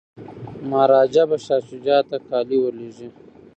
مهاراجا به شاه شجاع ته کالي ور لیږي.